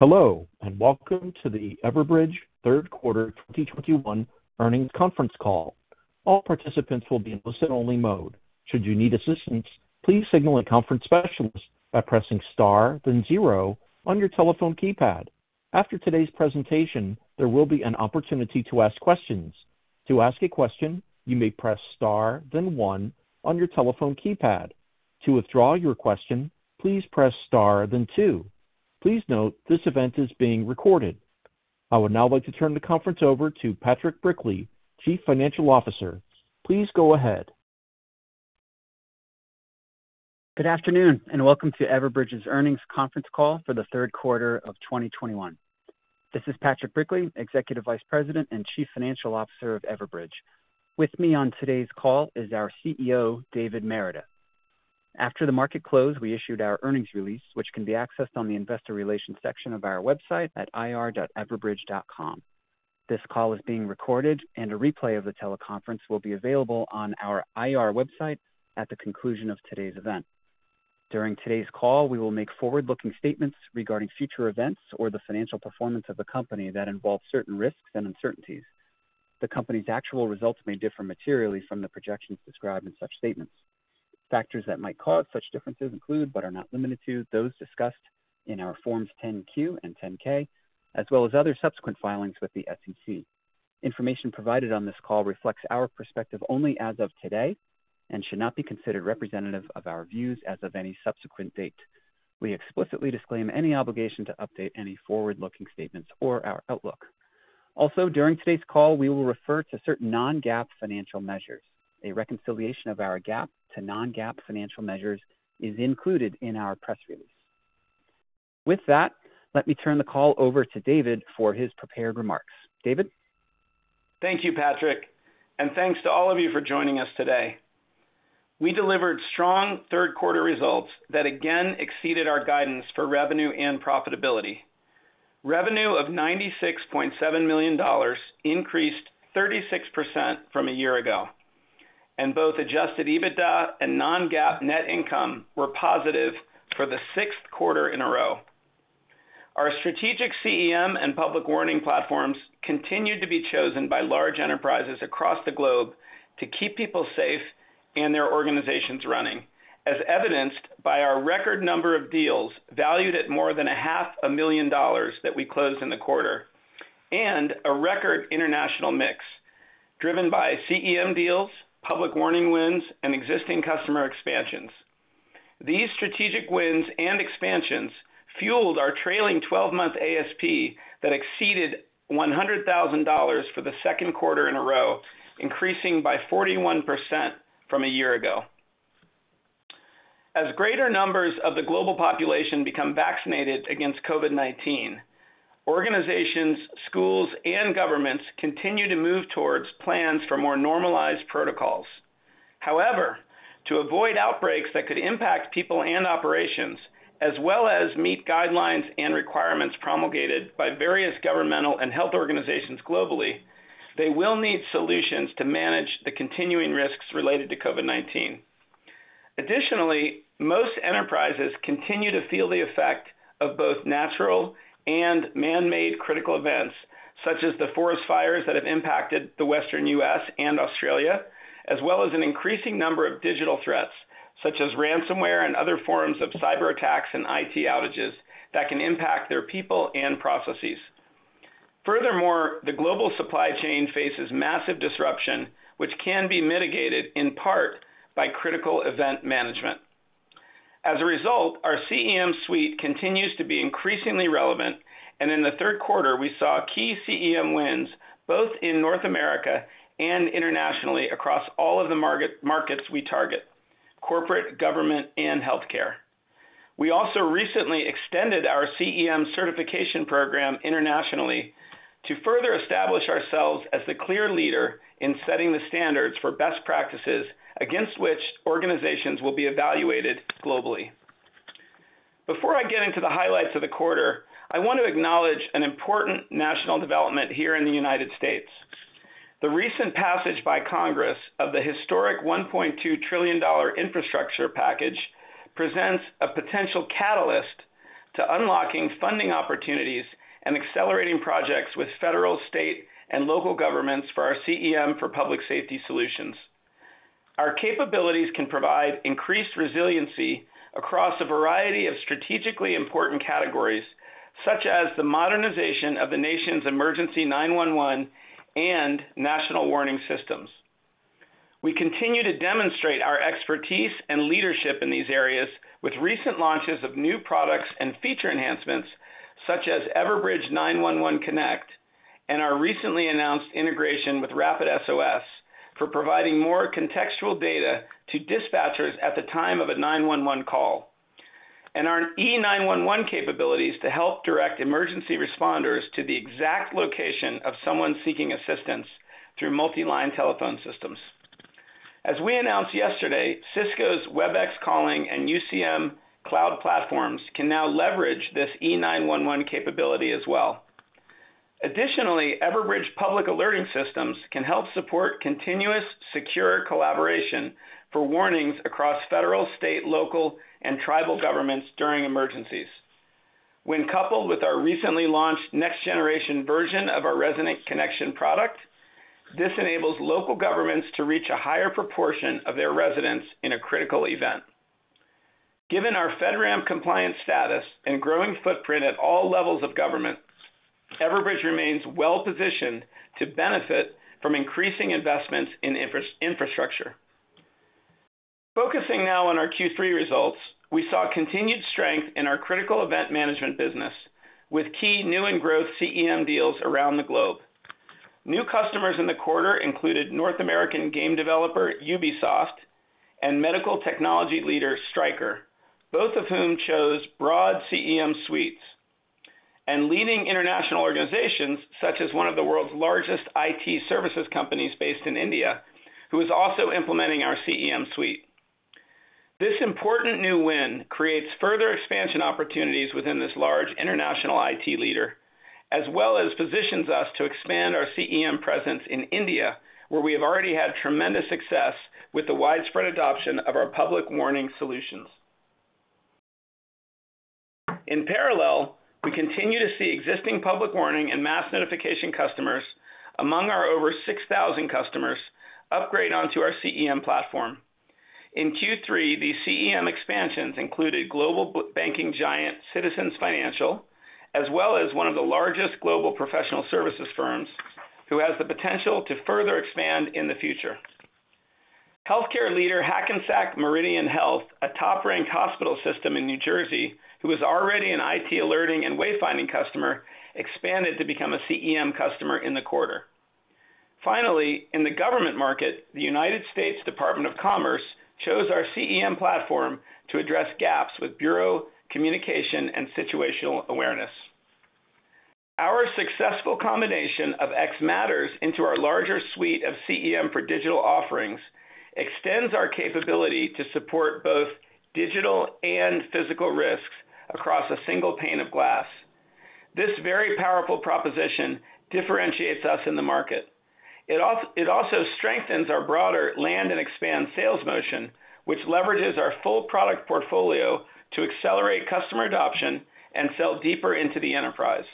Hello, and welcome to the Everbridge Third Quarter 2021 Earnings Conference Call. All participants will be in listen-only mode. Should you need assistance, please signal a conference specialist by pressing star, then zero on your telephone keypad. After today's presentation, there will be an opportunity to ask questions. To ask a question, you may press star, then one on your telephone keypad. To withdraw your question, please press star, then two. Please note this event is being recorded. I would now like to turn the conference over to Patrick Brickley, Chief Financial Officer. Please go ahead. Good afternoon, and welcome to Everbridge's Earnings Conference Call for the Third Quarter of 2021. This is Patrick Brickley, Executive Vice President and Chief Financial Officer of Everbridge. With me on today's call is our CEO, David Meredith. After the market closed, we issued our earnings release, which can be accessed on the Investor Relations section of our website at ir.everbridge.com. This call is being recorded, and a replay of the teleconference will be available on our IR website at the conclusion of today's event. During today's call, we will make forward-looking statements regarding future events or the financial performance of the company that involve certain risks and uncertainties. The company's actual results may differ materially from the projections described in such statements. Factors that might cause such differences include, but are not limited to, those discussed in our Forms 10-Q and 10-K, as well as other subsequent filings with the SEC. Information provided on this call reflects our perspective only as of today and should not be considered representative of our views as of any subsequent date. We explicitly disclaim any obligation to update any forward-looking statements or our outlook. Also, during today's call, we will refer to certain non-GAAP financial measures. A reconciliation of our GAAP to non-GAAP financial measures is included in our press release. With that, let me turn the call over to David for his prepared remarks. David? Thank you, Patrick, and thanks to all of you for joining us today. We delivered strong third quarter results that again exceeded our guidance for revenue and profitability. Revenue of $96.7 million increased 36% from a year ago, and both Adjusted EBITDA and non-GAAP net income were positive for the sixth quarter in a row. Our strategic CEM and public warning platforms continued to be chosen by large enterprises across the globe to keep people safe and their organizations running, as evidenced by our record number of deals valued at more than half a million dollars that we closed in the quarter. A record international mix driven by CEM deals, public warning wins, and existing customer expansions. These strategic wins and expansions fueled our trailing twelve-month ASP that exceeded $100,000 for the second quarter in a row, increasing by 41% from a year ago. As greater numbers of the global population become vaccinated against COVID-19, organizations, schools, and governments continue to move towards plans for more normalized protocols. However, to avoid outbreaks that could impact people and operations, as well as meet guidelines and requirements promulgated by various governmental and health organizations globally, they will need solutions to manage the continuing risks related to COVID-19. Additionally, most enterprises continue to feel the effect of both natural and man-made critical events, such as the forest fires that have impacted the Western U.S. and Australia, as well as an increasing number of digital threats, such as ransomware and other forms of cyberattacks and IT outages that can impact their people and processes. Furthermore, the global supply chain faces massive disruption, which can be mitigated in part by Critical Event Management. As a result, our CEM suite continues to be increasingly relevant, and in the third quarter, we saw key CEM wins both in North America and internationally across all of the major markets we target, corporate, government, and healthcare. We also recently extended our CEM certification program internationally to further establish ourselves as the clear leader in setting the standards for best practices against which organizations will be evaluated globally. Before I get into the highlights of the quarter, I want to acknowledge an important national development here in the United States. The recent passage by Congress of the historic $1.2 trillion infrastructure package presents a potential catalyst to unlocking funding opportunities and accelerating projects with federal, state, and local governments for our CEM for Public Safety solutions. Our capabilities can provide increased resiliency across a variety of strategically important categories, such as the modernization of the nation's emergency 911 and national warning systems. We continue to demonstrate our expertise and leadership in these areas with recent launches of new products and feature enhancements such as Everbridge 911 Connect and our recently announced integration with RapidSOS for providing more contextual data to dispatchers at the time of a 911 call, and our E911 capabilities to help direct emergency responders to the exact location of someone seeking assistance through multi-line telephone systems. As we announced yesterday, Cisco's Webex Calling and UCM Cloud platforms can now leverage this E911 capability as well. Additionally, Everbridge public alerting systems can help support continuous secure collaboration for warnings across federal, state, local, and tribal governments during emergencies. When coupled with our recently launched next generation version of our Resident Connection product, this enables local governments to reach a higher proportion of their residents in a critical event. Given our FedRAMP compliance status and growing footprint at all levels of governments, Everbridge remains well-positioned to benefit from increasing investments in infrastructure. Focusing now on our Q3 results, we saw continued strength in our critical event management business, with key new and growth CEM deals around the globe. New customers in the quarter included North American game developer Ubisoft and medical technology leader Stryker, both of whom chose broad CEM suites, and leading international organizations such as one of the world's largest IT services companies based in India, who is also implementing our CEM suite. This important new win creates further expansion opportunities within this large international IT leader, as well as positions us to expand our CEM presence in India, where we have already had tremendous success with the widespread adoption of our public warning solutions. In parallel, we continue to see existing public warning and mass notification customers among our over 6,000 customers upgrade onto our CEM platform. In Q3, these CEM expansions included global banking giant Citizens Financial, as well as one of the largest global professional services firms who has the potential to further expand in the future. Healthcare leader Hackensack Meridian Health, a top-ranked hospital system in New Jersey, who is already an IT Alerting and wayfinding customer, expanded to become a CEM customer in the quarter. Finally, in the government market, the United States Department of Commerce chose our CEM platform to address gaps with bureau communication and situational awareness. Our successful combination of xMatters into our larger suite of CEM for digital offerings extends our capability to support both digital and physical risks across a single pane of glass. This very powerful proposition differentiates us in the market. It also strengthens our broader land and expand sales motion, which leverages our full product portfolio to accelerate customer adoption and sell deeper into the enterprise.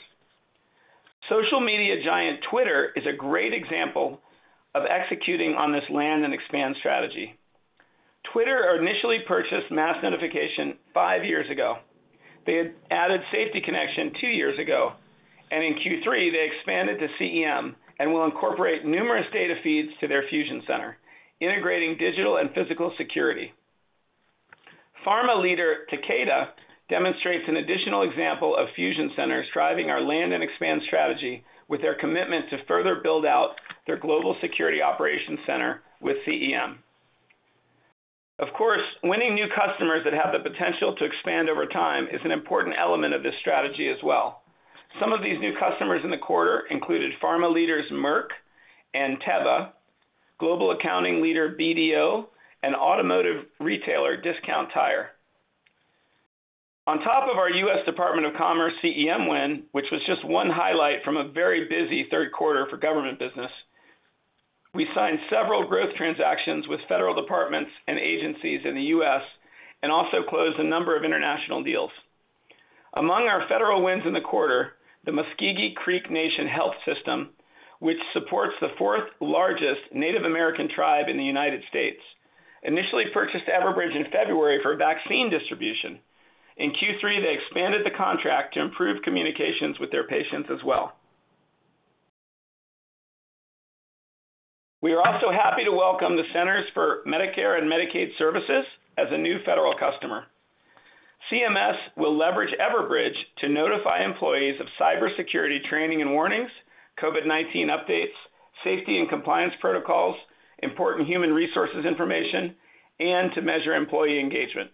Social media giant Twitter is a great example of executing on this land and expand strategy. Twitter initially purchased mass notification five years ago. They had added Safety Connection two years ago, and in Q3, they expanded to CEM and will incorporate numerous data feeds to their fusion center, integrating digital and physical security. Pharma leader Takeda demonstrates an additional example of fusion centers driving our land and expand strategy with their commitment to further build out their global security operations center with CEM. Of course, winning new customers that have the potential to expand over time is an important element of this strategy as well. Some of these new customers in the quarter included pharma leaders Merck and Teva, global accounting leader BDO, and automotive retailer Discount Tire. On top of our U.S. Department of Commerce CEM win, which was just one highlight from a very busy third quarter for government business, we signed several growth transactions with federal departments and agencies in the U.S. and also closed a number of international deals. Among our federal wins in the quarter, the Muscogee (Creek) Nation Health System, which supports the fourth-largest Native American tribe in the United States, initially purchased Everbridge in February for vaccine distribution. In Q3, they expanded the contract to improve communications with their patients as well. We are also happy to welcome the Centers for Medicare & Medicaid Services as a new federal customer. CMS will leverage Everbridge to notify employees of cybersecurity training and warnings, COVID-19 updates, safety and compliance protocols, important human resources information, and to measure employee engagement.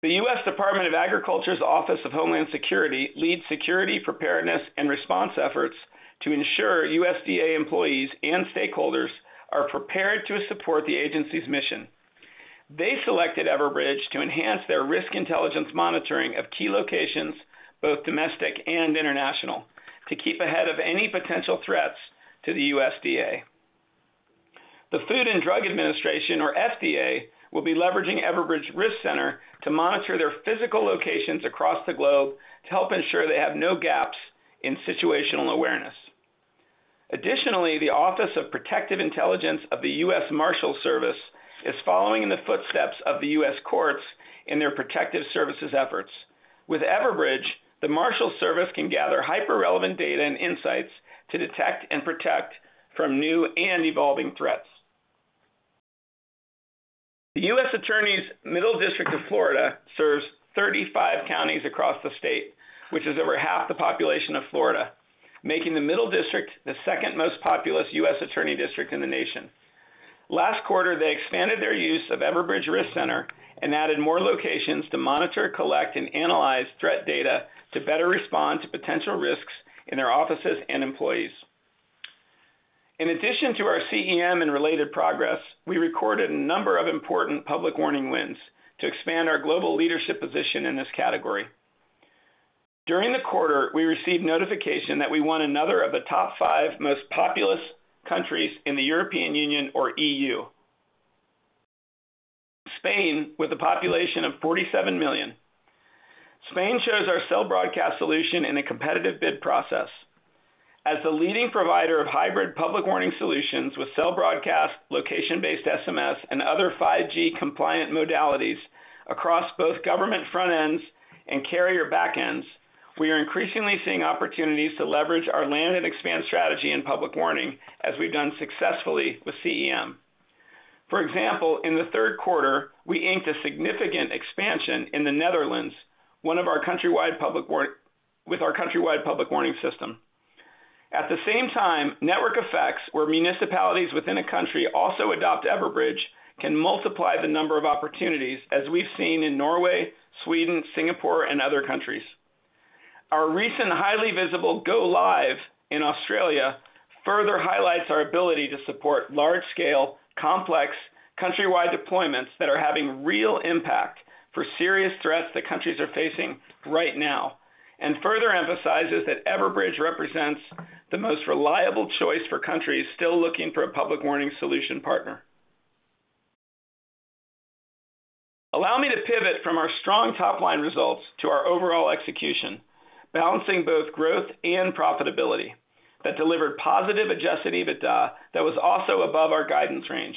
The U.S. Department of Agriculture's Office of Homeland Security leads security, preparedness, and response efforts to ensure USDA employees and stakeholders are prepared to support the agency's mission. They selected Everbridge to enhance their risk intelligence monitoring of key locations, both domestic and international, to keep ahead of any potential threats to the USDA. The Food and Drug Administration, or FDA, will be leveraging Everbridge Risk Center to monitor their physical locations across the globe to help ensure they have no gaps in situational awareness. Additionally, the Office of Protective Intelligence of the U.S. Marshals Service is following in the footsteps of the U.S. courts in their protective services efforts. With Everbridge, the Marshals Service can gather hyper-relevant data and insights to detect and protect from new and evolving threats. The U.S. Attorney's Office, Middle District of Florida serves 35 counties across the state, which is over half the population of Florida, making the Middle District the second most populous U.S. Attorney district in the nation. Last quarter, they expanded their use of Everbridge Risk Center and added more locations to monitor, collect, and analyze threat data to better respond to potential risks in their offices and employees. In addition to our CEM and related progress, we recorded a number of important public warning wins to expand our global leadership position in this category. During the quarter, we received notification that we won another of the top five most populous countries in the European Union, or EU, Spain, with a population of 47 million. Spain chose our cell broadcast solution in a competitive bid process. As the leading provider of hybrid public warning solutions with cell broadcast, location-based SMS, and other 5G compliant modalities across both government front ends and carrier back ends, we are increasingly seeing opportunities to leverage our land and expand strategy in public warning, as we've done successfully with CEM. For example, in the third quarter, we inked a significant expansion in the Netherlands, one of our countrywide public warning system. At the same time, network effects, where municipalities within a country also adopt Everbridge, can multiply the number of opportunities, as we've seen in Norway, Sweden, Singapore, and other countries. Our recent highly visible go live in Australia further highlights our ability to support large-scale, complex, countrywide deployments that are having real impact for serious threats that countries are facing right now, and further emphasizes that Everbridge represents the most reliable choice for countries still looking for a public warning solution partner. Allow me to pivot from our strong top-line results to our overall execution, balancing both growth and profitability that delivered positive Adjusted EBITDA that was also above our guidance range.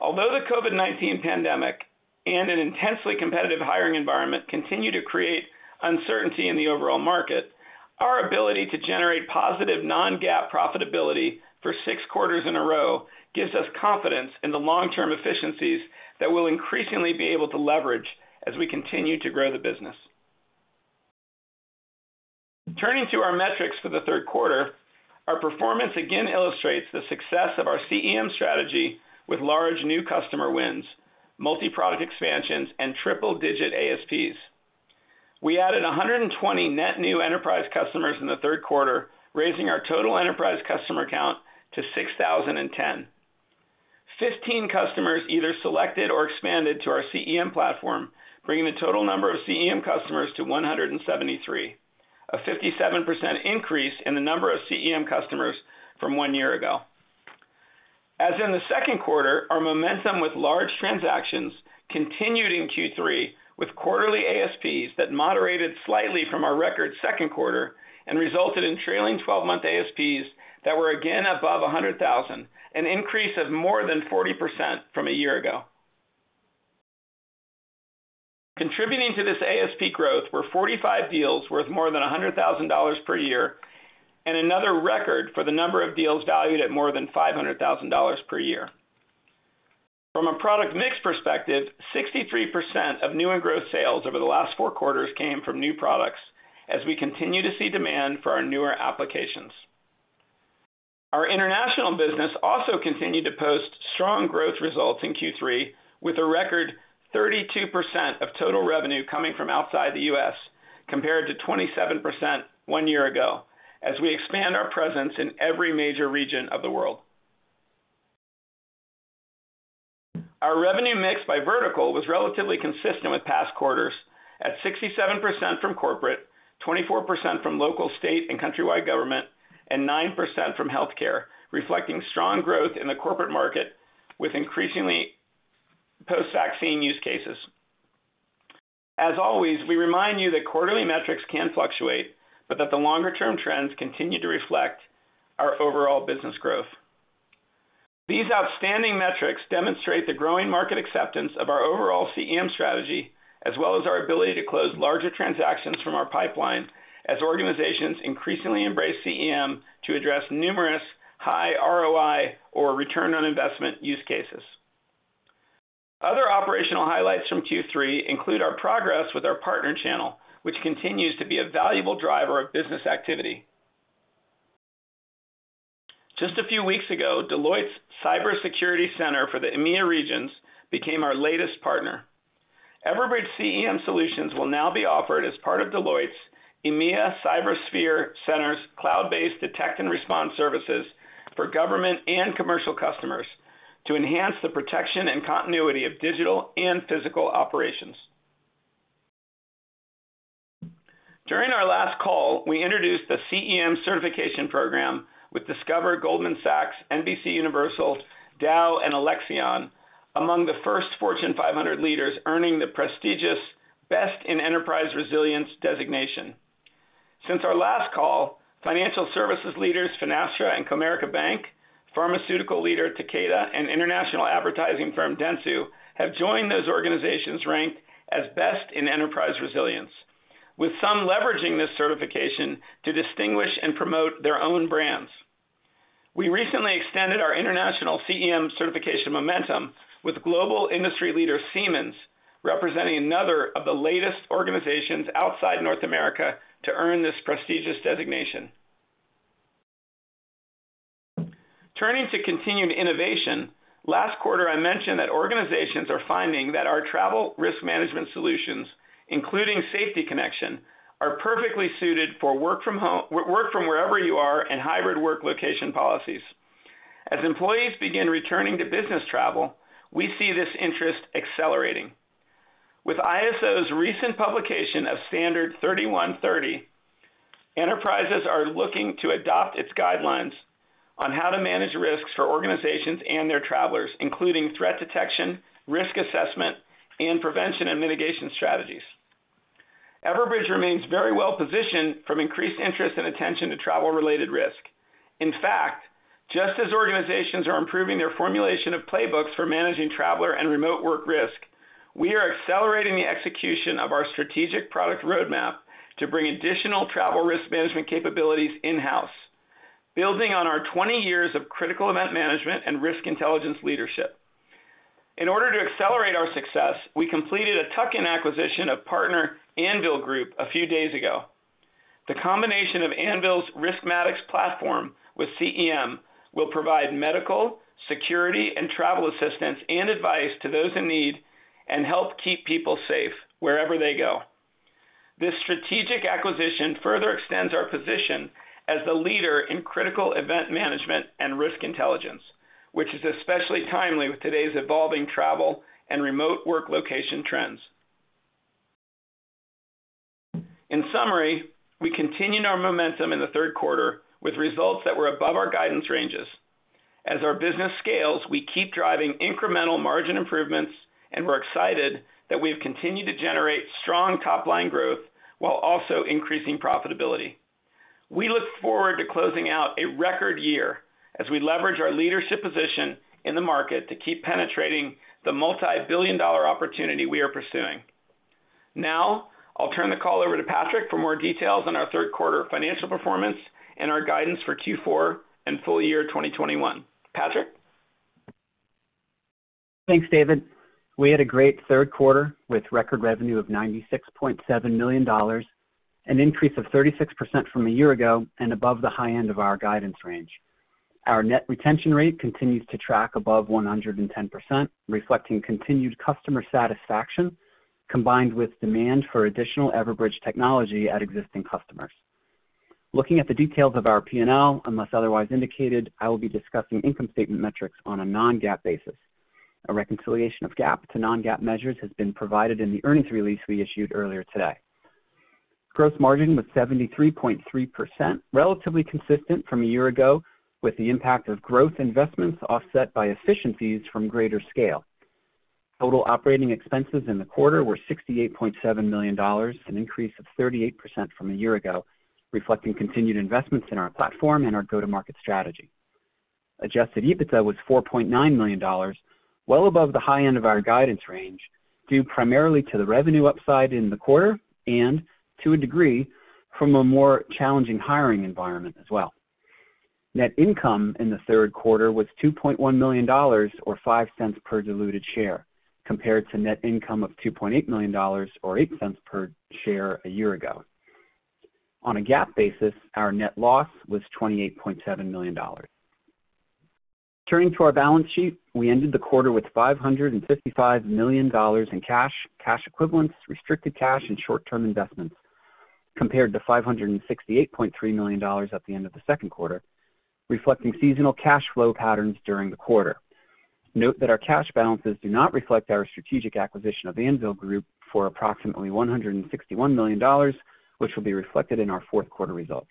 Although the COVID-19 pandemic and an intensely competitive hiring environment continue to create uncertainty in the overall market, our ability to generate positive non-GAAP profitability for six quarters in a row gives us confidence in the long-term efficiencies that we'll increasingly be able to leverage as we continue to grow the business. Turning to our metrics for the third quarter, our performance again illustrates the success of our CEM strategy with large new customer wins, multi-product expansions, and triple-digit ASPs. We added 120 net new enterprise customers in the third quarter, raising our total enterprise customer count to 6,010. 15 customers either selected or expanded to our CEM platform, bringing the total number of CEM customers to 173, a 57% increase in the number of CEM customers from one year ago. As in the second quarter, our momentum with large transactions continued in Q3 with quarterly ASPs that moderated slightly from our record second quarter and resulted in trailing twelve-month ASPs that were again above 100,000, an increase of more than 40% from a year ago. Contributing to this ASP growth were 45 deals worth more than $100,000 per year and another record for the number of deals valued at more than $500,000 per year. From a product mix perspective, 63% of new and growth sales over the last four quarters came from new products as we continue to see demand for our newer applications. Our international business also continued to post strong growth results in Q3, with a record 32% of total revenue coming from outside the U.S., compared to 27% one year ago, as we expand our presence in every major region of the world. Our revenue mix by vertical was relatively consistent with past quarters at 67% from corporate, 24% from local, state, and countrywide government, and 9% from healthcare, reflecting strong growth in the corporate market with increasingly post-vaccine use cases. As always, we remind you that quarterly metrics can fluctuate, but that the longer-term trends continue to reflect our overall business growth. These outstanding metrics demonstrate the growing market acceptance of our overall CEM strategy, as well as our ability to close larger transactions from our pipeline as organizations increasingly embrace CEM to address numerous high ROI or return on investment use cases. Other operational highlights from Q3 include our progress with our partner channel, which continues to be a valuable driver of business activity. Just a few weeks ago, Deloitte's EMEA Cybersphere Center became our latest partner. Everbridge CEM Solutions will now be offered as part of Deloitte's EMEA Cybersphere Center's cloud-based detection and response services for government and commercial customers to enhance the protection and continuity of digital and physical operations. During our last call, we introduced the CEM certification program with Discover, Goldman Sachs, NBCUniversal, Dow, and Alexion among the first Fortune 500 leaders earning the prestigious Best in Enterprise Resilience designation. Since our last call, financial services leaders Finastra and Comerica Bank, pharmaceutical leader Takeda, and international advertising firm Dentsu have joined those organizations ranked as Best in Enterprise Resilience, with some leveraging this certification to distinguish and promote their own brands. We recently extended our international CEM certification momentum with global industry leader Siemens, representing another of the latest organizations outside North America to earn this prestigious designation. Turning to continued innovation, last quarter, I mentioned that organizations are finding that our travel risk management solutions, including Safety Connection, are perfectly suited for work from wherever you are in hybrid work location policies. As employees begin returning to business travel, we see this interest accelerating. With ISO's recent publication of Standard 31030, enterprises are looking to adopt its guidelines on how to manage risks for organizations and their travelers, including threat detection, risk assessment, and prevention and mitigation strategies. Everbridge remains very well-positioned from increased interest and attention to travel-related risk. In fact, just as organizations are improving their formulation of playbooks for managing traveler and remote work risk, we are accelerating the execution of our strategic product roadmap to bring additional travel risk management capabilities in-house, building on our 20 years of critical event management and risk intelligence leadership. In order to accelerate our success, we completed a tuck-in acquisition of partner Anvil Group a few days ago. The combination of Anvil's Riskmatics platform with CEM will provide medical, security, and travel assistance and advice to those in need and help keep people safe wherever they go. This strategic acquisition further extends our position as the leader in critical event management and risk intelligence, which is especially timely with today's evolving travel and remote work location trends. In summary, we continued our momentum in the third quarter with results that were above our guidance ranges. As our business scales, we keep driving incremental margin improvements, and we're excited that we have continued to generate strong top-line growth while also increasing profitability. We look forward to closing out a record year as we leverage our leadership position in the market to keep penetrating the multi-billion-dollar opportunity we are pursuing. Now, I'll turn the call over to Patrick for more details on our third quarter financial performance and our guidance for Q4 and full year 2021. Patrick? Thanks, David. We had a great third quarter with record revenue of $96.7 million, an increase of 36% from a year ago and above the high end of our guidance range. Our net retention rate continues to track above 110%, reflecting continued customer satisfaction, combined with demand for additional Everbridge technology at existing customers. Looking at the details of our P&L, unless otherwise indicated, I will be discussing income statement metrics on a non-GAAP basis. A reconciliation of GAAP to non-GAAP measures has been provided in the earnings release we issued earlier today. Gross margin was 73.3%, relatively consistent from a year ago, with the impact of growth investments offset by efficiencies from greater scale. Total operating expenses in the quarter were $68.7 million, an increase of 38% from a year ago, reflecting continued investments in our platform and our go-to-market strategy. Adjusted EBITDA was $4.9 million, well above the high end of our guidance range, due primarily to the revenue upside in the quarter and, to a degree, from a more challenging hiring environment as well. Net income in the third quarter was $2.1 million or $0.05 per diluted share, compared to net income of $2.8 million or $0.08 per share a year ago. On a GAAP basis, our net loss was $28.7 million. Turning to our balance sheet, we ended the quarter with $555 million in cash equivalents, restricted cash, and short-term investments, compared to $568.3 million at the end of the second quarter, reflecting seasonal cash flow patterns during the quarter. Note that our cash balances do not reflect our strategic acquisition of Anvil Group for approximately $161 million, which will be reflected in our fourth quarter results.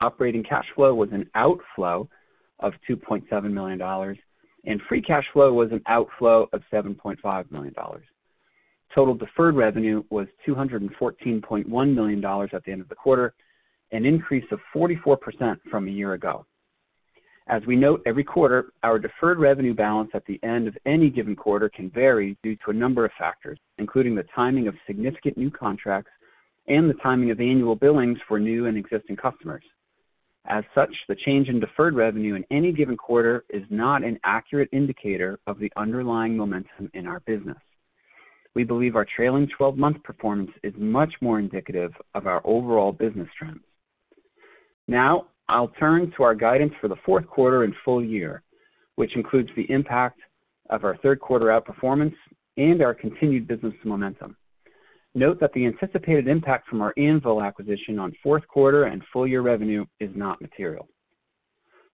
Operating cash flow was an outflow of $2.7 million, and free cash flow was an outflow of $7.5 million. Total deferred revenue was $214.1 million at the end of the quarter, an increase of 44% from a year ago. As we note every quarter, our deferred revenue balance at the end of any given quarter can vary due to a number of factors, including the timing of significant new contracts and the timing of annual billings for new and existing customers. As such, the change in deferred revenue in any given quarter is not an accurate indicator of the underlying momentum in our business. We believe our trailing twelve-month performance is much more indicative of our overall business trends. Now, I'll turn to our guidance for the fourth quarter and full year, which includes the impact of our third quarter outperformance and our continued business momentum. Note that the anticipated impact from our Anvil acquisition on fourth quarter and full year revenue is not material.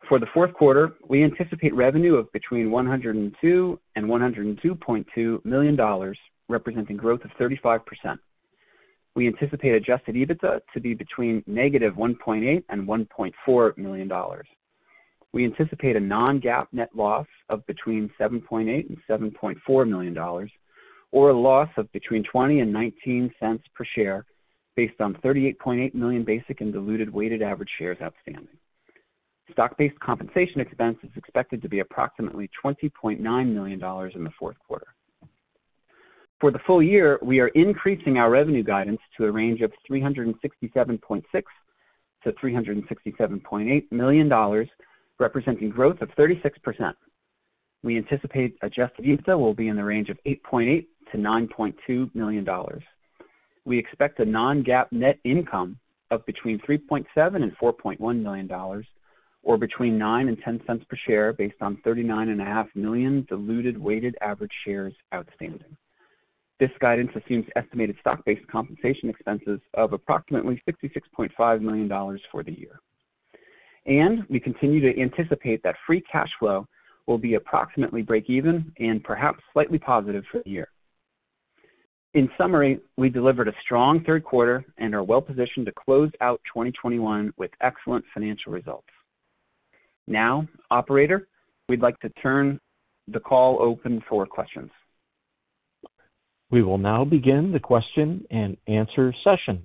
For the fourth quarter, we anticipate revenue of between $102 million and $102.2 million, representing growth of 35%. We anticipate Adjusted EBITDA to be between negative $1.8 million and $1.4 million. We anticipate a non-GAAP net loss of between $7.8 million and $7.4 million, or a loss of between $0.20 and $0.19 per share based on 38.8 million basic and diluted weighted average shares outstanding. Stock-based compensation expense is expected to be approximately $20.9 million in the fourth quarter. For the full year, we are increasing our revenue guidance to a range of $367.6 million-$367.8 million, representing growth of 36%. We anticipate Adjusted EBITDA will be in the range of $8.8 million-$9.2 million. We expect a non-GAAP net income of between $3.7 million and $4.1 million, or between $0.09 and $0.10 cents per share based on 39.5 million diluted weighted average shares outstanding. This guidance assumes estimated stock-based compensation expenses of approximately $66.5 million for the year. We continue to anticipate that free cash flow will be approximately breakeven and perhaps slightly positive for the year. In summary, we delivered a strong third quarter and are well positioned to close out 2021 with excellent financial results. Now, operator, we'd like to open the call for questions. We will now begin the question-and-answer session.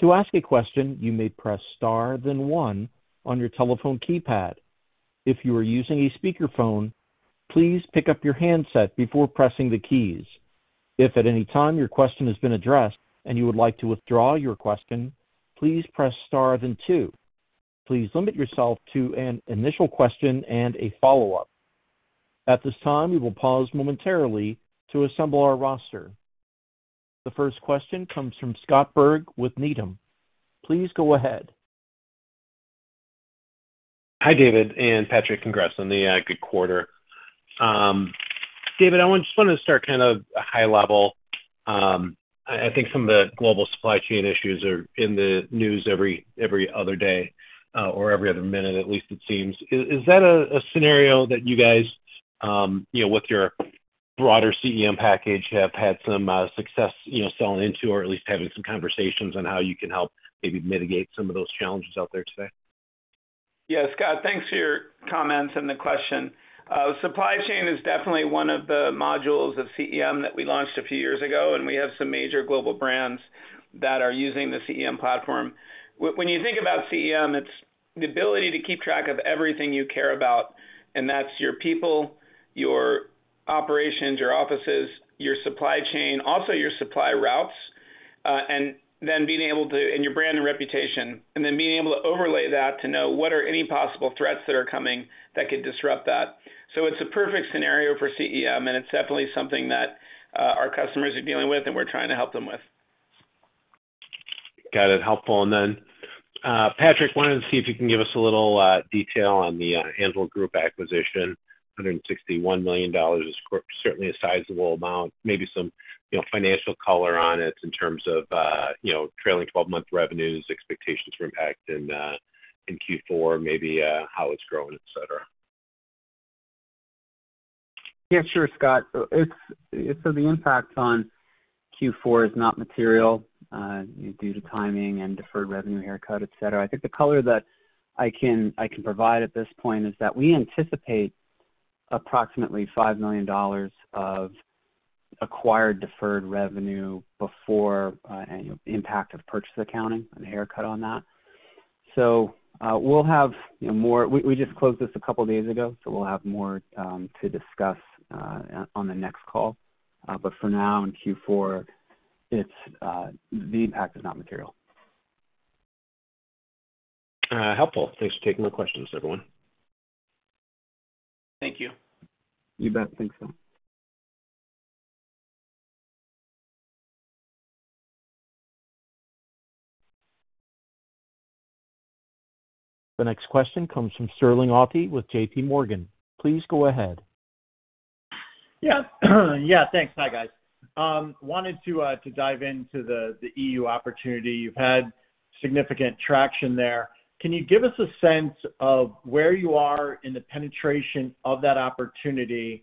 To ask a question, you may press star then one on your telephone keypad. If you are using a speakerphone, please pick up your handset before pressing the keys. If at any time your question has been addressed and you would like to withdraw your question, please press star then two. Please limit yourself to an initial question and a follow-up. At this time, we will pause momentarily to assemble our roster. The first question comes from Scott Berg with Needham. Please go ahead. Hi, David and Patrick, congrats on the good quarter. David, just wanted to start kind of high level. I think some of the global supply chain issues are in the news every other day or every other minute, at least it seems. Is that a scenario that you guys, you know, with your broader CEM package have had some success, you know, selling into or at least having some conversations on how you can help maybe mitigate some of those challenges out there today? Yeah, Scott, thanks for your comments and the question. Supply chain is definitely one of the modules of CEM that we launched a few years ago, and we have some major global brands that are using the CEM platform. When you think about CEM, it's the ability to keep track of everything you care about, and that's your people, your operations, your offices, your supply chain, also your supply routes, and then your brand and reputation, and then being able to overlay that to know what are any possible threats that are coming that could disrupt that. It's a perfect scenario for CEM, and it's definitely something that our customers are dealing with and we're trying to help them with. Got it. Helpful. Then, Patrick, I wanted to see if you can give us a little detail on the Anvil Group acquisition. $161 million is certainly a sizable amount. Maybe some, you know, financial color on it in terms of, you know, trailing twelve-month revenues, expectations for impact in Q4, maybe how it's growing, et cetera. Yeah, sure, Scott. The impact on Q4 is not material due to timing and deferred revenue haircut, et cetera. I think the color that I can provide at this point is that we anticipate approximately $5 million of acquired deferred revenue before impact of purchase accounting and haircut on that. We'll have, you know, more. We just closed this a couple days ago, so we'll have more to discuss on the next call. For now, in Q4, the impact is not material. Helpful. Thanks for taking my questions, everyone. Thank you. You bet. Thanks, Scott. The next question comes from Sterling Auty with JPMorgan. Please go ahead. Yeah. Yeah, thanks. Hi, guys. Wanted to dive into the EU opportunity. You've had significant traction there. Can you give us a sense of where you are in the penetration of that opportunity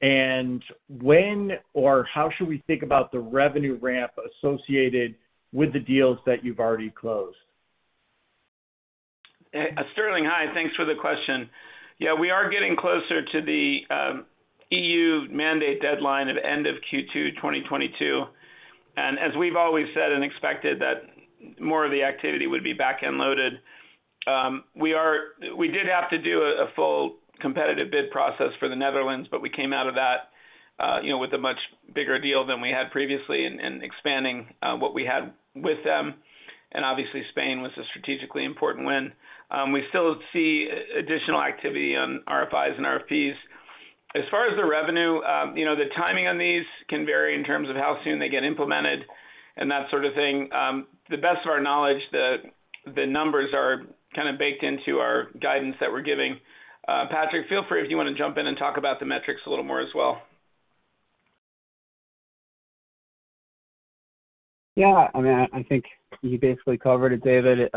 and when or how should we think about the revenue ramp associated with the deals that you've already closed? Sterling, hi. Thanks for the question. Yeah, we are getting closer to the EU mandate deadline at end of Q2 2022. As we've always said and expected that more of the activity would be back-end loaded. We did have to do a full competitive bid process for the Netherlands, but we came out of that, you know, with a much bigger deal than we had previously and expanding what we had with them. Obviously, Spain was a strategically important win. We still see additional activity on RFIs and RFPs. As far as the revenue, you know, the timing on these can vary in terms of how soon they get implemented and that sort of thing. The best of our knowledge, the numbers are kind of baked into our guidance that we're giving. Patrick, feel free if you wanna jump in and talk about the metrics a little more as well. Yeah. I mean, I think you basically covered it, David.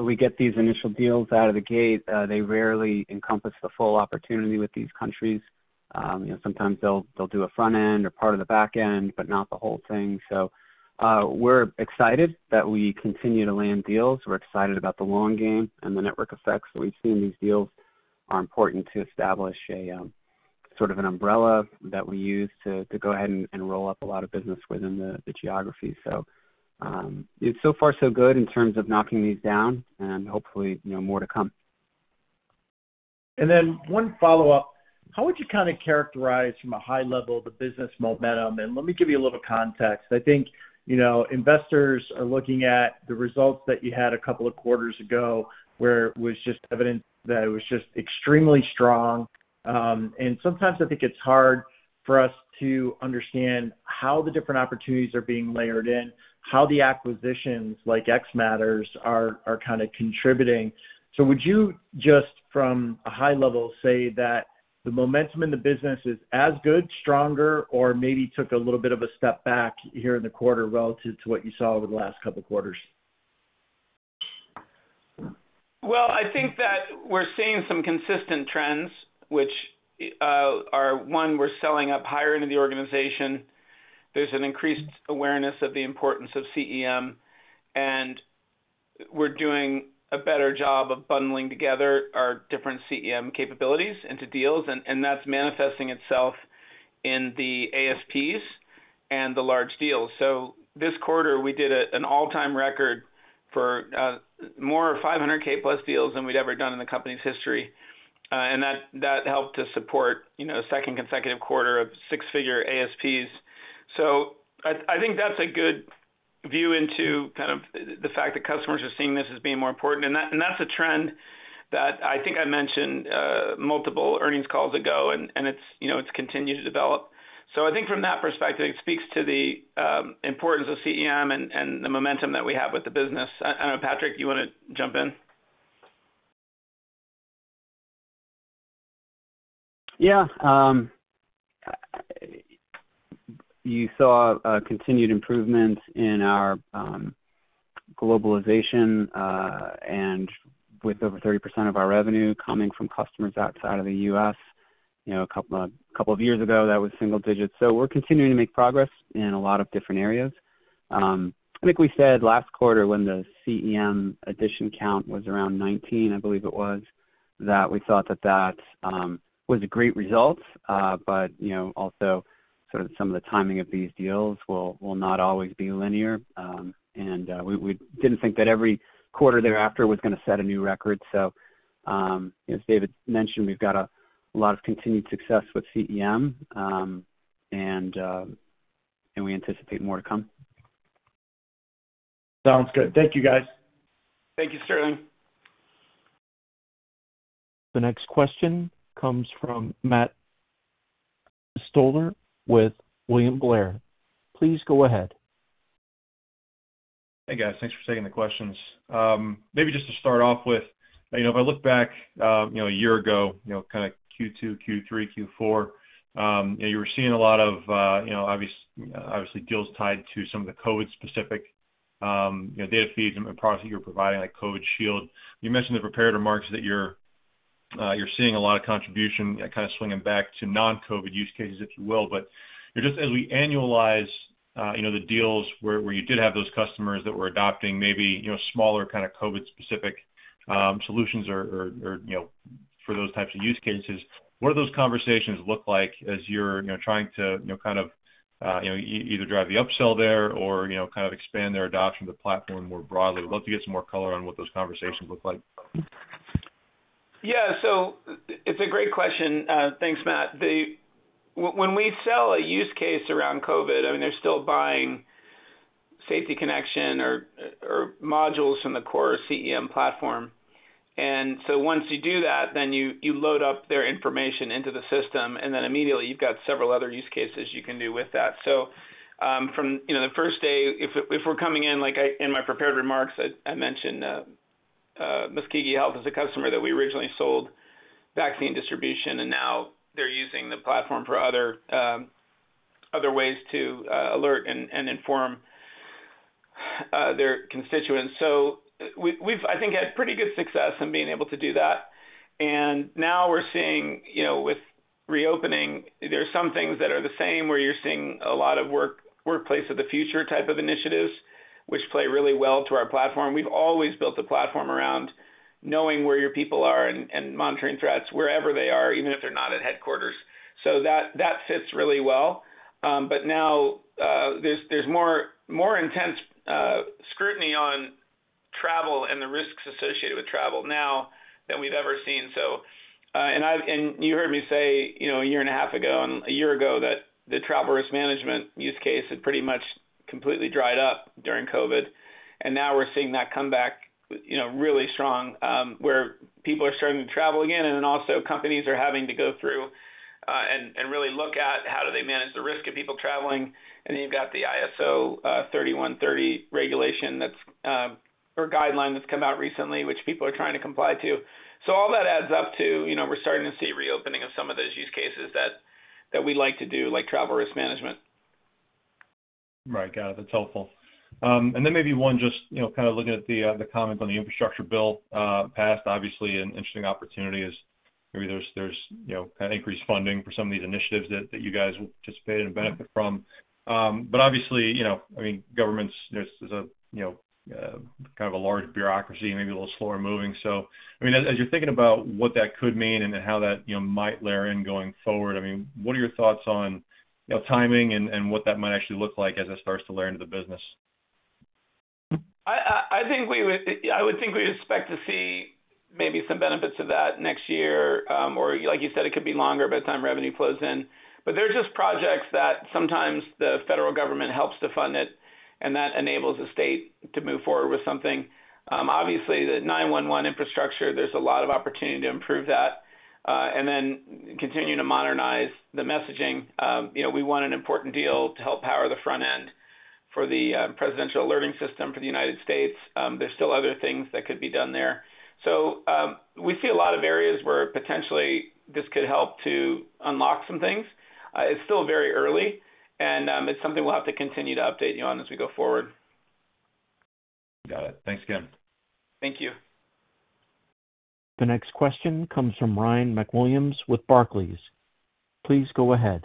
We get these initial deals out of the gate. They rarely encompass the full opportunity with these countries. You know, sometimes they'll do a front end or part of the back end, but not the whole thing. We're excited that we continue to land deals. We're excited about the long game and the network effects that we've seen. These deals are important to establish a sort of an umbrella that we use to go ahead and roll up a lot of business within the geography. So far so good in terms of knocking these down and hopefully, you know, more to come. Then one follow-up. How would you kind of characterize from a high level the business momentum? Let me give you a little context. I think, you know, investors are looking at the results that you had a couple of quarters ago, where it was just evident that it was just extremely strong. Sometimes I think it's hard for us to understand how the different opportunities are being layered in, how the acquisitions like xMatters are kinda contributing. Would you just from a high level say that the momentum in the business is as good, stronger, or maybe took a little bit of a step back here in the quarter relative to what you saw over the last couple quarters? Well, I think that we're seeing some consistent trends which are one, we're selling up higher into the organization. There's an increased awareness of the importance of CEM, and we're doing a better job of bundling together our different CEM capabilities into deals, and that's manifesting itself in the ASPs and the large deals. This quarter, we did an all-time record for more $500K+ deals than we'd ever done in the company's history. And that helped to support, you know, a second consecutive quarter of six-figure ASPs. I think that's a good view into kind of the fact that customers are seeing this as being more important. That's a trend that I think I mentioned multiple earnings calls ago, and it's, you know, continued to develop. I think from that perspective, it speaks to the importance of CEM and the momentum that we have with the business. I don't know, Patrick, you wanna jump in? Yeah. You saw continued improvements in our globalization, and with over 30% of our revenue coming from customers outside of the U.S. You know, a couple of years ago, that was single digits. We're continuing to make progress in a lot of different areas. I think we said last quarter when the CEM addition count was around 19, I believe it was, that we thought that was a great result. You know, also sort of some of the timing of these deals will not always be linear. We didn't think that every quarter thereafter was gonna set a new record. As David mentioned, we've got a lot of continued success with CEM, and we anticipate more to come. Sounds good. Thank you, guys. Thank you, Sterling. The next question comes from Matt Stotler with William Blair. Please go ahead. Hey, guys. Thanks for taking the questions. Maybe just to start off with, you know, if I look back a year ago, you know, kinda Q2, Q3, Q4, you know, you were seeing a lot of, you know, obviously deals tied to some of the COVID-specific data feeds and products that you're providing, like COVID-19 Shield. You mentioned in the prepared remarks that you're seeing a lot of contribution kinda swinging back to non-COVID use cases, if you will. Just as we annualize, you know, the deals where you did have those customers that were adopting maybe, you know, smaller kind of COVID-specific solutions or, you know, for those types of use cases, what do those conversations look like as you're, you know, trying to, you know, kind of, you know, either drive the upsell there or, you know, kind of expand their adoption of the platform more broadly? I'd love to get some more color on what those conversations look like. It's a great question. Thanks, Matt. When we sell a use case around COVID, I mean, they're still buying Safety Connection or modules from the core CEM platform. Once you do that, you load up their information into the system, and then immediately you've got several other use cases you can do with that. From you know, the first day, if we're coming in, like in my prepared remarks, I mentioned Muscogee Health is a customer that we originally sold vaccine distribution, and now they're using the platform for other ways to alert and inform their constituents. We've, I think, had pretty good success in being able to do that. Now we're seeing, you know, with reopening, there are some things that are the same, where you're seeing a lot of workplace of the future type of initiatives, which play really well to our platform. We've always built the platform around knowing where your people are and monitoring threats wherever they are, even if they're not at headquarters. That fits really well. But now there's more intense scrutiny on travel and the risks associated with travel now than we've ever seen. You heard me say, you know, a year and a half ago and a year ago that the travel risk management use case had pretty much completely dried up during COVID. Now we're seeing that come back, you know, really strong, where people are starting to travel again, and then also companies are having to go through and really look at how do they manage the risk of people traveling. Then you've got the ISO 31030 regulation that's or guideline that's come out recently, which people are trying to comply to. All that adds up to, you know, we're starting to see reopening of some of those use cases that we like to do, like travel risk management. Right. Got it. That's helpful. Maybe one just, you know, kind of looking at the comment on the infrastructure bill passed, obviously an interesting opportunity is maybe there's, you know, kind of increased funding for some of these initiatives that you guys will participate and benefit from. Obviously, you know, I mean, governments, there's a, you know, kind of a large bureaucracy and maybe a little slower moving. I mean, as you're thinking about what that could mean and then how that, you know, might layer in going forward, I mean, what are your thoughts on, you know, timing and what that might actually look like as it starts to layer into the business? I think we'd expect to see maybe some benefits of that next year, or like you said, it could be longer by the time revenue flows in. They're just projects that sometimes the federal government helps to fund it, and that enables the state to move forward with something. Obviously, the 911 infrastructure, there's a lot of opportunity to improve that, and then continue to modernize the messaging. You know, we won an important deal to help power the front end for the presidential alerting system for the United States, there's still other things that could be done there. We see a lot of areas where potentially this could help to unlock some things. It's still very early, and it's something we'll have to continue to update you on as we go forward. Got it. Thanks then. Thank you. The next question comes from Ryan MacWilliams with Barclays. Please go ahead.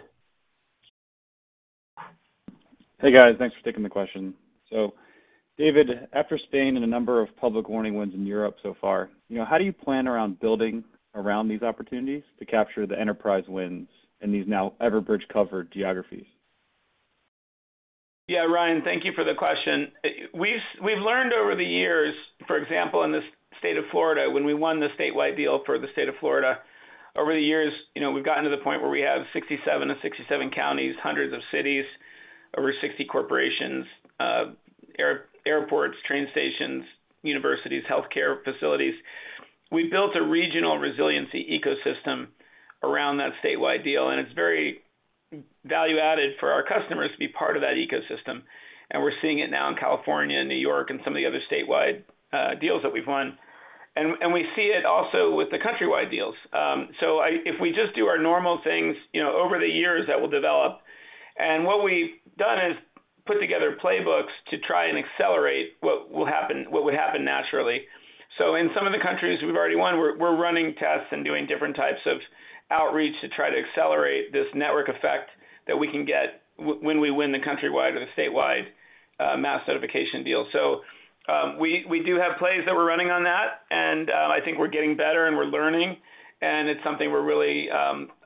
Hey, guys. Thanks for taking the question. David, after Spain and a number of public warning wins in Europe so far, you know, how do you plan around building around these opportunities to capture the enterprise wins in these now Everbridge-covered geographies? Yeah, Ryan, thank you for the question. We've learned over the years, for example, in the State of Florida, when we won the statewide deal for the State of Florida, over the years, you know, we've gotten to the point where we have 67 of 67 counties, hundreds of cities, over 60 corporations, airports, train stations, universities, healthcare facilities. We built a regional resiliency ecosystem around that statewide deal, and it's very value added for our customers to be part of that ecosystem, and we're seeing it now in California and New York and some of the other statewide deals that we've won. We see it also with the countrywide deals. If we just do our normal things, you know, over the years that we'll develop. What we've done is put together playbooks to try and accelerate what would happen naturally. In some of the countries we've already won, we're running tests and doing different types of outreach to try to accelerate this network effect that we can get when we win the countrywide or the statewide Mass Notification deal. We do have plays that we're running on that, and I think we're getting better and we're learning, and it's something we're really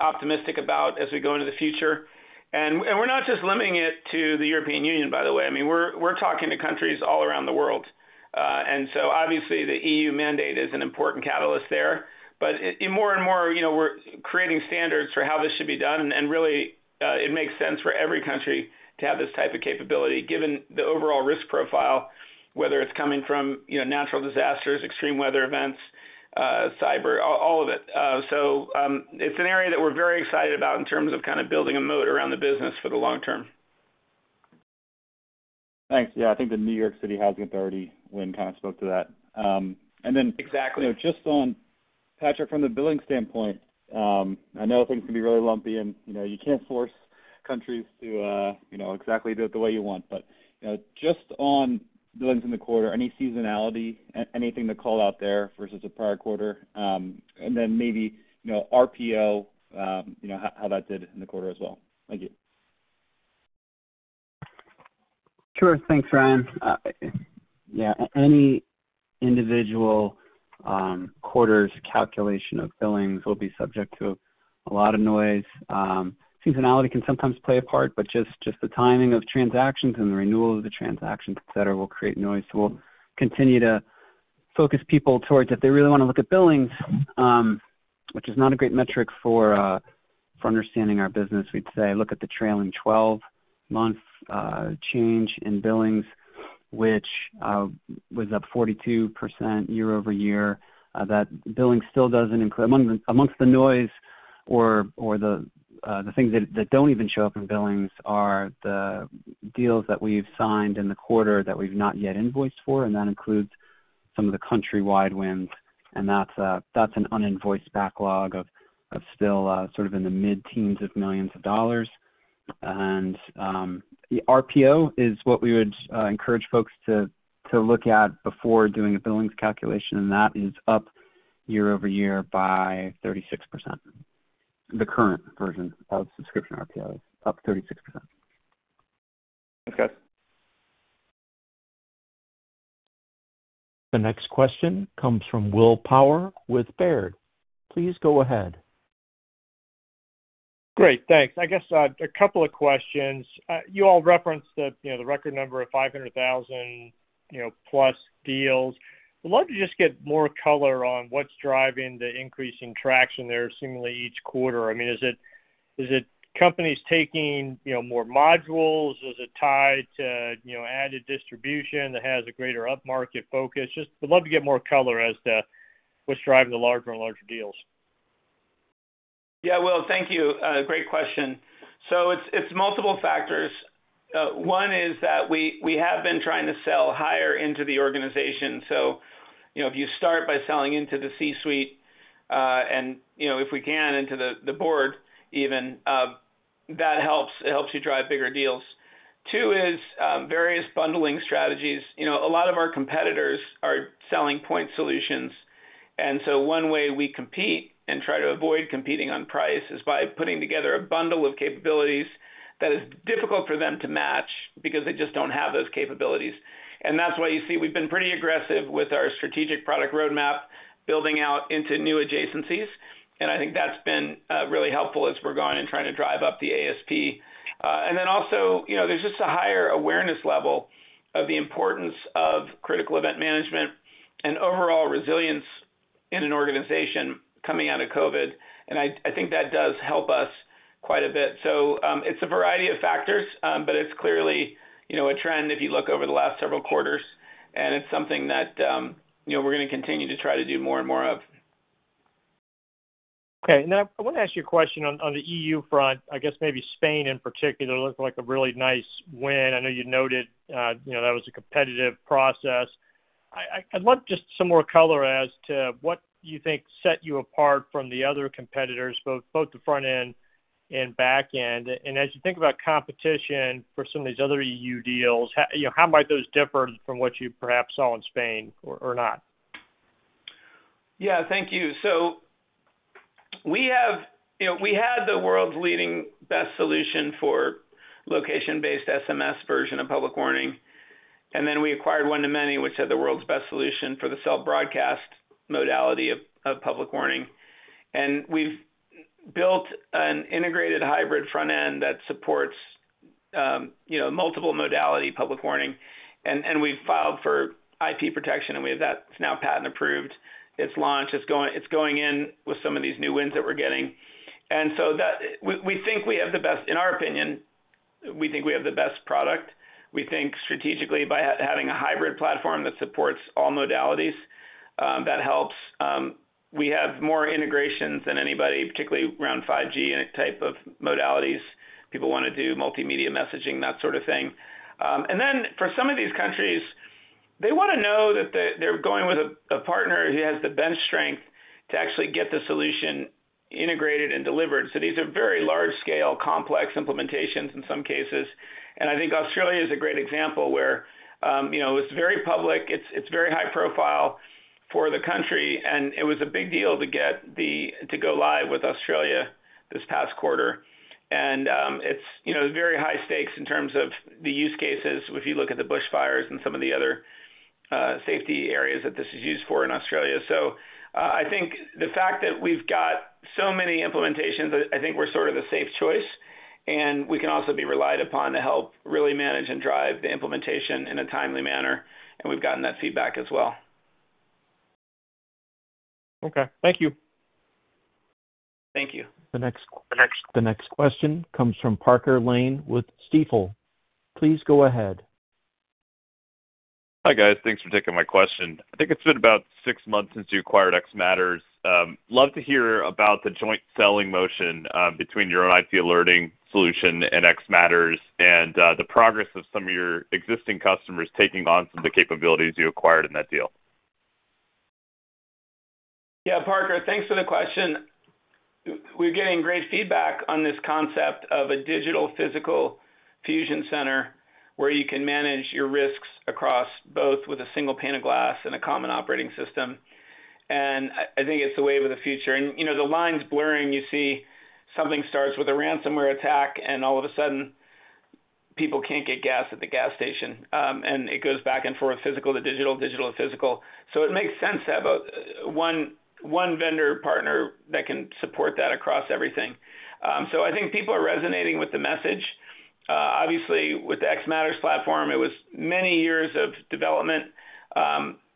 optimistic about as we go into the future. We're not just limiting it to the European Union, by the way. We're talking to countries all around the world. Obviously the EU mandate is an important catalyst there. More and more, you know, we're creating standards for how this should be done. Really, it makes sense for every country to have this type of capability, given the overall risk profile, whether it's coming from, you know, natural disasters, extreme weather events, cyber, all of it. It's an area that we're very excited about in terms of kind of building a moat around the business for the long term. Thanks. Yeah. I think the New York City Housing Authority win kind of spoke to that. Exactly. You know, just on Patrick, from the billing standpoint, I know things can be really lumpy and, you know, you can't force countries to, you know, exactly do it the way you want. But, you know, just on billings in the quarter, any seasonality, anything to call out there versus the prior quarter, and then maybe, you know, RPO, you know, how that did in the quarter as well. Thank you. Sure. Thanks, Ryan. Yeah, any individual quarter's calculation of billings will be subject to a lot of noise. Seasonality can sometimes play a part, but just the timing of transactions and the renewal of the transactions, et cetera, will create noise. We'll continue to focus people towards if they really wanna look at billings, which is not a great metric for understanding our business. We'd say look at the trailing twelve-month change in billings, which was up 42% year-over-year. That billing still doesn't include among the noise the things that don't even show up in billings are the deals that we've signed in the quarter that we've not yet invoiced for, and that includes some of the countrywide wins, and that's an uninvoiced backlog of still sort of in the mid-teens of millions of dollars. The RPO is what we would encourage folks to look at before doing a billings calculation, and that is up year-over-year by 36%. The current version of subscription RPO is up 36%. Thanks, guys. The next question comes from Will Power with Baird. Please go ahead. Great. Thanks. I guess a couple of questions. You all referenced the, you know, the record number of 500,000+ deals. I'd love to just get more color on what's driving the increase in traction there seemingly each quarter. I mean, is it companies taking, you know, more modules? Is it tied to, you know, added distribution that has a greater up-market focus? Just would love to get more color as to what's driving the larger and larger deals. Yeah. Will, thank you. Great question. It's multiple factors. One is that we have been trying to sell higher into the organization. You know, if you start by selling into the C-suite, and you know, if we can sell into the board even, that helps. It helps you drive bigger deals. Two is various bundling strategies. You know, a lot of our competitors are selling point solutions. One way we compete and try to avoid competing on price is by putting together a bundle of capabilities that is difficult for them to match because they just don't have those capabilities. That's why you see we've been pretty aggressive with our strategic product roadmap building out into new adjacencies. I think that's been really helpful as we're going and trying to drive up the ASP. You know, there's just a higher awareness level of the importance of Critical Event Management and overall resilience in an organization coming out of COVID, and I think that does help us quite a bit. It's a variety of factors, but it's clearly, you know, a trend if you look over the last several quarters, and it's something that, you know, we're gonna continue to try to do more and more of. Okay. Now I wanna ask you a question on the EU front, I guess maybe Spain in particular looked like a really nice win. I know you noted, you know, that was a competitive process. I'd love just some more color as to what you think set you apart from the other competitors, both the front end and back end. As you think about competition for some of these other EU deals, how, you know, how might those differ from what you perhaps saw in Spain or not? Yeah, thank you. We have. You know, we had the world's leading best solution for location-based SMS version of public warning, and then we acquired one2many, which had the world's best solution for the cell broadcast modality of public warning. We've built an integrated hybrid front end that supports, you know, multiple modality public warning. We've filed for IP protection, and we have that. It's now patent approved. It's launched. It's going in with some of these new wins that we're getting. We think we have the best. In our opinion, we think we have the best product. We think strategically by having a hybrid platform that supports all modalities, that helps, we have more integrations than anybody, particularly around 5G and type of modalities. People wanna do multimedia messaging, that sort of thing. For some of these countries, they wanna know that they're going with a partner who has the bench strength to actually get the solution integrated and delivered. These are very large scale, complex implementations in some cases. I think Australia is a great example where you know it's very public, it's very high profile for the country, and it was a big deal to go live with Australia this past quarter. It's you know very high stakes in terms of the use cases if you look at the bushfires and some of the other safety areas that this is used for in Australia. I think the fact that we've got so many implementations, I think we're sort of the safe choice, and we can also be relied upon to help really manage and drive the implementation in a timely manner. We've gotten that feedback as well. Okay, thank you. Thank you. The next question comes from Parker Lane with Stifel. Please go ahead. Hi, guys. Thanks for taking my question. I think it's been about six months since you acquired xMatters. Love to hear about the joint selling motion between your own IT Alerting solution and xMatters and the progress of some of your existing customers taking on some of the capabilities you acquired in that deal. Yeah, Parker, thanks for the question. We're getting great feedback on this concept of a digital physical fusion center where you can manage your risks across both with a single pane of glass and a common operating system. I think it's the wave of the future. You know, the line's blurring. You see something starts with a ransomware attack and all of a sudden people can't get gas at the gas station, and it goes back and forth, physical to digital to physical. It makes sense to have one vendor partner that can support that across everything. I think people are resonating with the message. Obviously, with the xMatters platform, it was many years of development,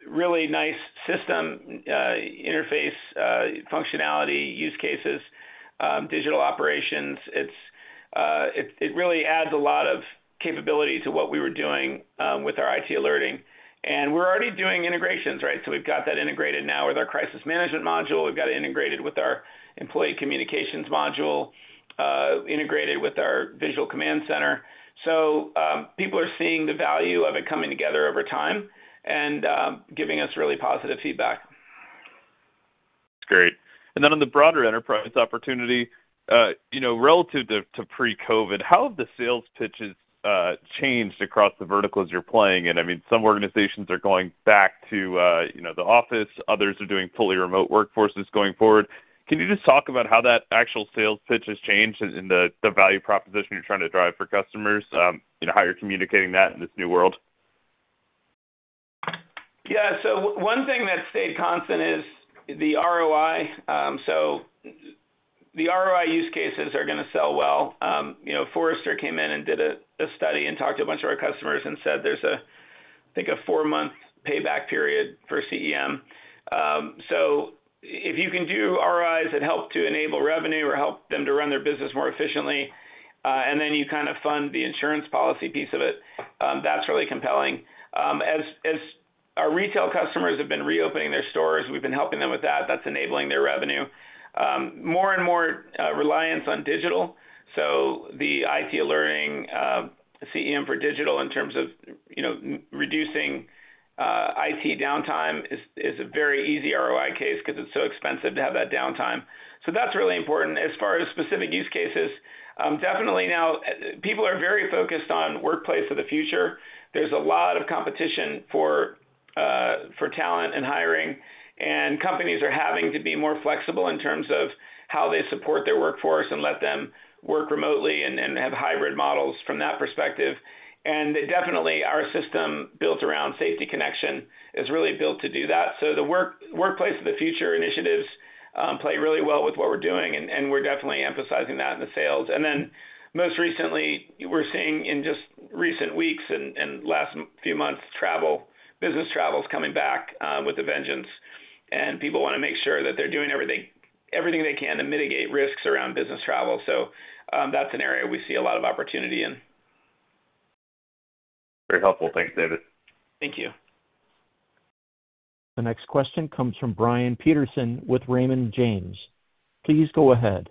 really nice system, interface, functionality, use cases, digital operations. It really adds a lot of capability to what we were doing with our IT Alerting. We're already doing integrations, right? We've got that integrated now with our Crisis Management module. We've got it integrated with our Employee Communications module, integrated with our Visual Command Center. People are seeing the value of it coming together over time and giving us really positive feedback. That's great. Then on the broader enterprise opportunity, you know, relative to pre-COVID, how have the sales pitches changed across the verticals you're playing in? I mean, some organizations are going back to you know, the office, others are doing fully remote workforces going forward. Can you just talk about how that actual sales pitch has changed in the value proposition you're trying to drive for customers, you know, how you're communicating that in this new world? Yeah. One thing that stayed constant is the ROI. The ROI use cases are gonna sell well. You know, Forrester came in and did a study and talked to a bunch of our customers and said there's a, I think, a four-month payback period for CEM. If you can do ROIs that help to enable revenue or help them to run their business more efficiently, and then you kind of fund the insurance policy piece of it, that's really compelling. As our retail customers have been reopening their stores, we've been helping them with that. That's enabling their revenue. More and more reliance on digital. The IT Alerting, CEM for digital in terms of, you know, reducing IT downtime is a very easy ROI case 'cause it's so expensive to have that downtime. That's really important. As far as specific use cases, definitely now people are very focused on Workplace of the Future. There's a lot of competition for talent and hiring, and companies are having to be more flexible in terms of how they support their workforce and let them work remotely and have hybrid models from that perspective. Definitely our system built around Safety Connection is really built to do that. The Workplace of the Future initiatives play really well with what we're doing, and we're definitely emphasizing that in the sales. Then most recently, we're seeing in just recent weeks and last few months, business travel is coming back with a vengeance, and people wanna make sure that they're doing everything they can to mitigate risks around business travel. That's an area we see a lot of opportunity in. Very helpful. Thanks, David. Thank you. The next question comes from Brian Peterson with Raymond James. Please go ahead.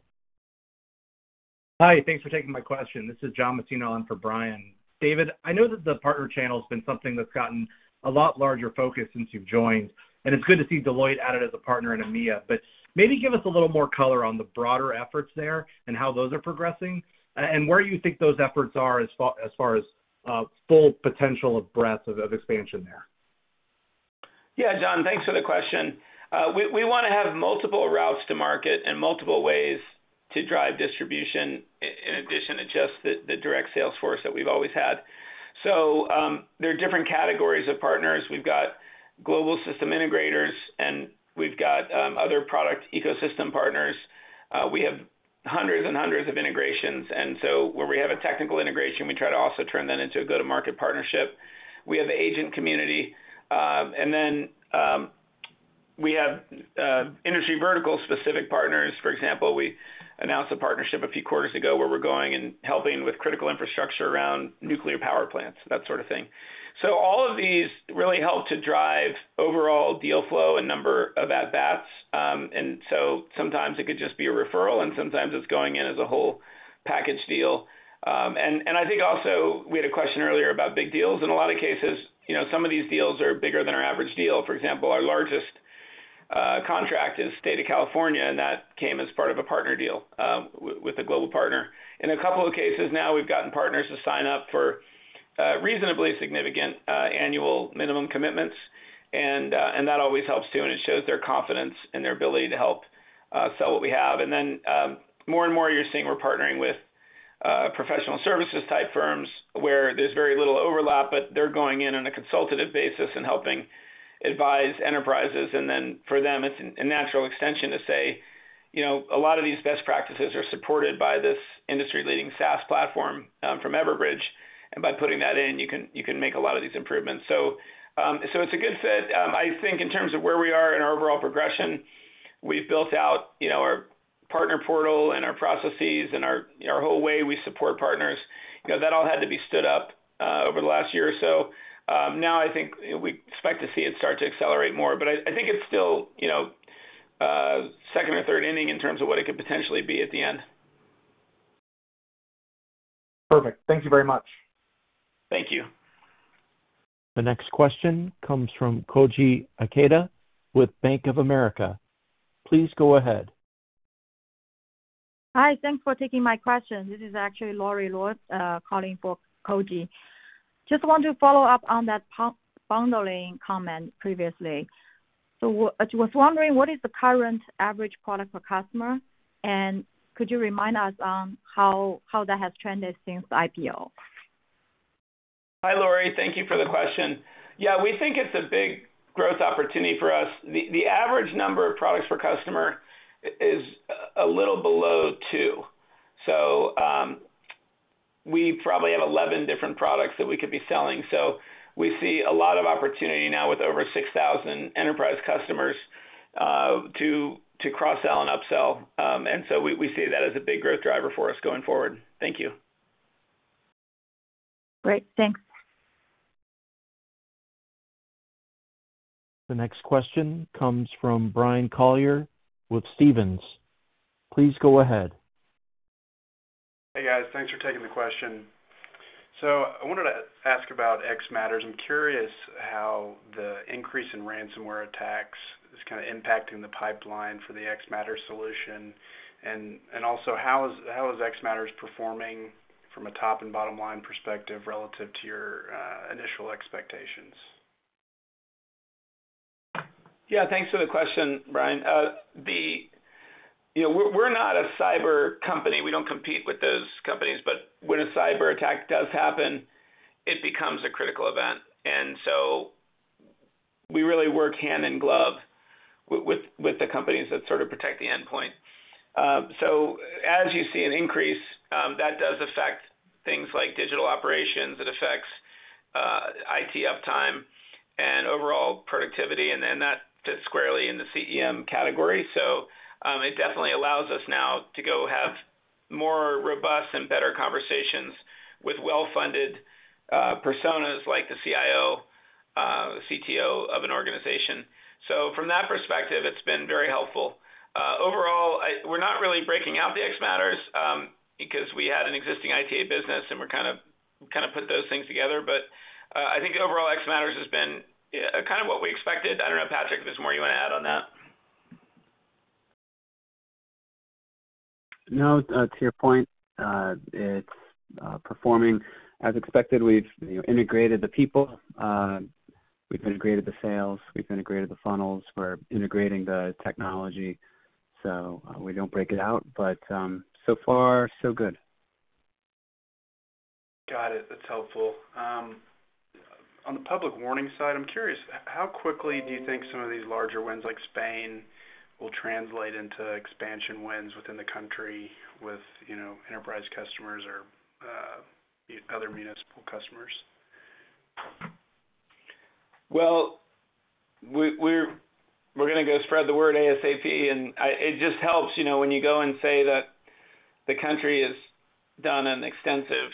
Hi. Thanks for taking my question. This is John Martin on for Brian. David, I know that the partner channel's been something that's gotten a lot larger focus since you've joined, and it's good to see Deloitte added as a partner in EMEA. Maybe give us a little more color on the broader efforts there and how those are progressing and where you think those efforts are as far as full potential of breadth of expansion there. Yeah. John, thanks for the question. We wanna have multiple routes to market and multiple ways to drive distribution in addition to just the direct sales force that we've always had. There are different categories of partners. We've got global system integrators, and we've got other product ecosystem partners. We have hundreds of integrations. Where we have a technical integration, we try to also turn that into a go-to-market partnership. We have the agent community, and then we have industry vertical specific partners. For example, we announced a partnership a few quarters ago where we're going and helping with critical infrastructure around nuclear power plants, that sort of thing. All of these really help to drive overall deal flow and number of at-bats. Sometimes it could just be a referral, and sometimes it's going in as a whole package deal. I think also we had a question earlier about big deals. In a lot of cases, you know, some of these deals are bigger than our average deal. For example, our largest contract is State of California, and that came as part of a partner deal with a global partner. In a couple of cases now, we've gotten partners to sign up for reasonably significant annual minimum commitments, and that always helps too, and it shows their confidence and their ability to help sell what we have. More and more you're seeing we're partnering with professional services type firms where there's very little overlap, but they're going in on a consultative basis and helping advise enterprises. For them, it's a natural extension to say, you know, a lot of these best practices are supported by this industry-leading SaaS platform from Everbridge, and by putting that in you can make a lot of these improvements. It's a good set. I think in terms of where we are in our overall progression, we've built out, you know, our partner portal and our processes and you know our whole way we support partners. You know, that all had to be stood up over the last year or so. Now I think we expect to see it start to accelerate more. I think it's still, you know, second or third inning in terms of what it could potentially be at the end. Perfect. Thank you very much. Thank you. The next question comes from Koji Ikeda with Bank of America. Please go ahead. Hi. Thanks for taking my question. This is actually Laurie Loth calling for Koji. I just want to follow up on that bundling comment previously. I was just wondering what is the current average product per customer, and could you remind us on how that has trended since IPO? Hi, Laurie. Thank you for the question. Yeah, we think it's a big growth opportunity for us. The average number of products per customer is a little below two. We probably have 11 different products that we could be selling. We see a lot of opportunity now with over 6,000 enterprise customers to cross-sell and upsell. We see that as a big growth driver for us going forward. Thank you. Great. Thanks. The next question comes from Brian Colley with Stephens. Please go ahead. Hey, guys. Thanks for taking the question. I wanted to ask about xMatters. I'm curious how the increase in ransomware attacks is kinda impacting the pipeline for the xMatters solution. And also, how is xMatters performing from a top and bottom line perspective relative to your initial expectations? Yeah, thanks for the question, Brian. You know, we're not a cyber company. We don't compete with those companies. When a cyberattack does happen, it becomes a critical event. We really work hand in glove with the companies that sort of protect the endpoint. As you see an increase, that does affect things like digital operations. It affects IT downtime and overall productivity, and then that fits squarely in the CEM category. It definitely allows us now to go have more robust and better conversations with well-funded personas like the CIO, CTO of an organization. From that perspective, it's been very helpful. Overall, we're not really breaking out the xMatters because we had an existing ITA business, and we're kind of put those things together. I think overall xMatters has been kind of what we expected. I don't know, Patrick, if there's more you wanna add on that. No. To your point, it's performing as expected. We've, you know, integrated the people. We've integrated the sales. We've integrated the funnels. We're integrating the technology. So, we don't break it out, but, so far so good. Got it. That's helpful. On the public warning side, I'm curious, how quickly do you think some of these larger wins like Spain will translate into expansion wins within the country with, you know, enterprise customers or other municipal customers? We're gonna go spread the word ASAP, and it just helps, you know, when you go and say that the country has done an extensive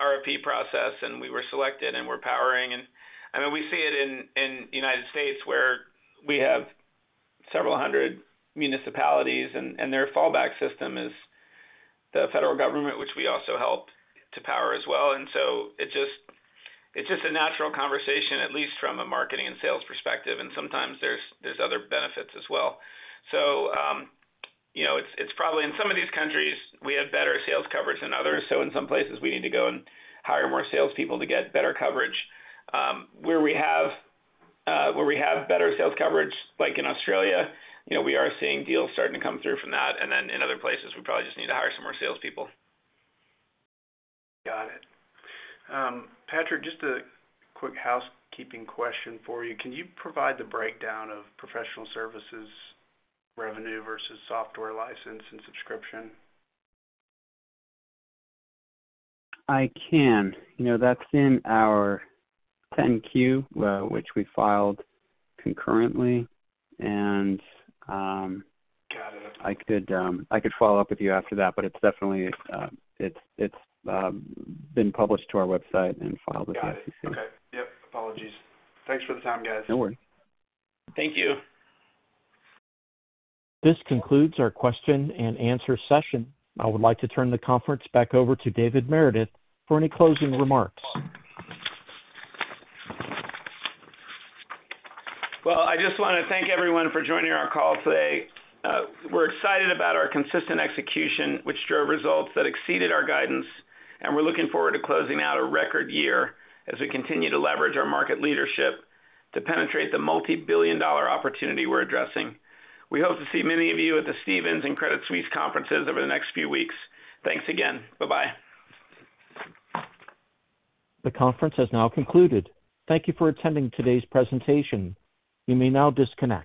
RFP process and we were selected and we're powering. I mean, we see it in United States, where we have several hundred municipalities and their fallback system is the federal government, which we also helped to power as well. It's just a natural conversation, at least from a marketing and sales perspective, and sometimes there's other benefits as well. You know, it's probably in some of these countries we have better sales coverage than others. In some places we need to go and hire more salespeople to get better coverage. Where we have better sales coverage, like in Australia, you know, we are seeing deals starting to come through from that. In other places, we probably just need to hire some more salespeople. Got it. Patrick, just a quick housekeeping question for you. Can you provide the breakdown of professional services revenue versus software license and subscription? I can. You know, that's in our 10-Q, which we filed concurrently, and I could follow up with you after that, but it's definitely been published to our website and filed with the SEC. Got it. Okay. Yep. Apologies. Thanks for the time, guys. No worry. Thank you. This concludes our question-and-answer session. I would like to turn the conference back over to David Meredith for any closing remarks. Well, I just wanna thank everyone for joining our call today. We're excited about our consistent execution, which drove results that exceeded our guidance, and we're looking forward to closing out a record year as we continue to leverage our market leadership to penetrate the multi-billion-dollar opportunity we're addressing. We hope to see many of you at the Stephens and Credit Suisse conferences over the next few weeks. Thanks again. Bye-bye. The conference has now concluded. Thank you for attending today's presentation. You may now disconnect.